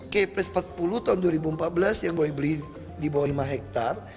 kepres empat puluh tahun dua ribu empat belas yang boleh beli di bawah lima hektare